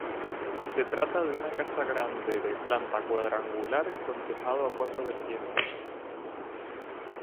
Se trata de una casa grande de planta cuadrangular con tejado a cuatro vertientes.